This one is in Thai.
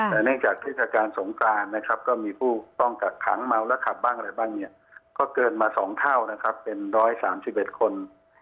แต่เนื่องจากการสงการก็มีผู้ต้องกัดขังม้าวรถขับก็เกินมา๒เท่าเป็น๑๓๑คน